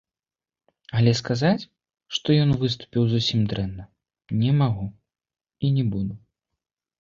Але сказаць, што ён выступіў зусім дрэнна, не магу і не буду.